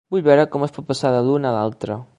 Vull veure com es pot passar de l'un a l'altre.